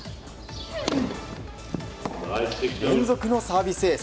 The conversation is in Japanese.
連続のサービスエース。